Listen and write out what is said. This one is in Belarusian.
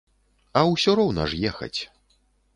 А ўсё роўна ж ехаць.